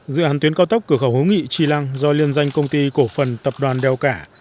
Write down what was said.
dự án tuyến cao tốc cửa khẩu hữu nghị tri lăng do liên danh công ty cổ phần tập đoàn đeo cả